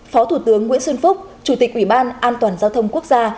phó thủ tướng nguyễn xuân phúc chủ tịch ủy ban an toàn giao thông quốc gia